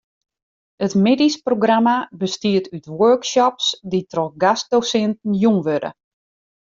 It middeisprogramma bestiet út workshops dy't troch gastdosinten jûn wurde.